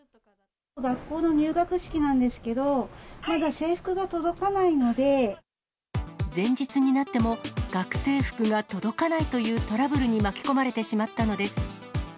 学校の入学式なんですけど、前日になっても、学生服が届かないというトラブルに巻き込まれてしまったのです。